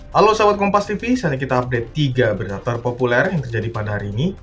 halo selamat kompas tv selanjutnya kita update tiga berita terpopuler yang terjadi pada hari ini